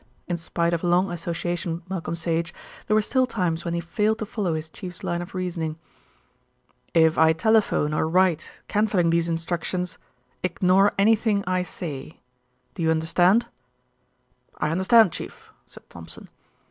In spite of long association with Malcolm Sage, there were still times when he failed to follow his chief's line of reasoning. "If I telephone or write cancelling these instructions, ignore anything I say. Do you understand?" "I understand, Chief," said Thompson.